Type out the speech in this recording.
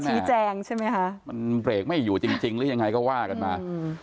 ชี้แจงใช่ไหมคะมันเบรกไม่อยู่จริงหรือยังไงก็ว่ากันมา